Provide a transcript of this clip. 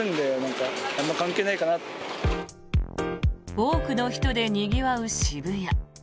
多くの人でにぎわう渋谷。